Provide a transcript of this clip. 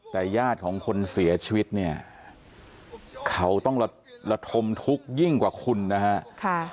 แต่ญาติของคนเสียชีวิตเนี่ยเขาต้องระทมทุกข์ยิ่งกว่าคุณนะฮะ